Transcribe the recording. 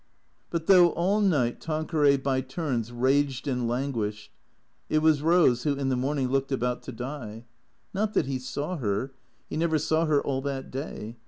But, though all night Tanqueray by turns raged and lan guished, it was Eose who, in the morning, looked about to die. Not that he saw her. He never saw her all that day.